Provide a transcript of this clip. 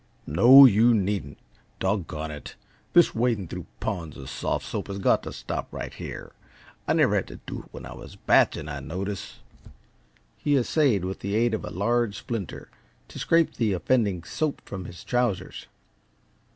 "No, you needn't. Doggone it, this wading through ponds uh soft soap has got t' stop right here. I never had t' do it when I was baching, I notice." He essayed, with the aid of a large splinter, to scrape the offending soap from his trousers.